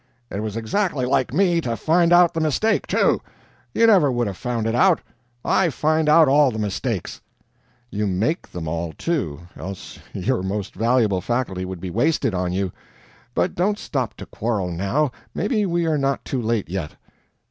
"It was exactly like me to find out the mistake, too. You never would have found it out. I find out all the mistakes." "You make them all, too, else your most valuable faculty would be wasted on you. But don't stop to quarrel, now maybe we are not too late yet."